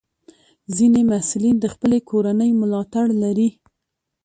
ځینې محصلین د خپلې کورنۍ ملاتړ لري.